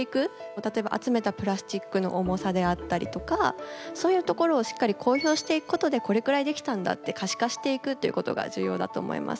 例えば集めたプラスチックの重さであったりとかそういうところをしっかり公表していくことでこれくらいできたんだって可視化していくっていうことが重要だと思います。